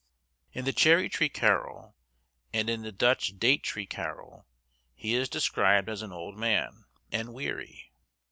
In the cherry tree carol, and in the Dutch date tree carol, he is described as an old man, and weary.